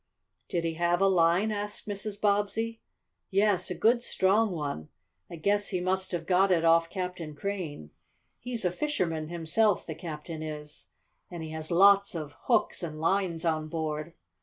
"Did he have a line?" asked Mrs. Bobbsey. "Yes, a good, strong one. I guess he must have got it off Captain Crane. He's a fisherman himself, the captain is, and he has lots of hooks and lines on board."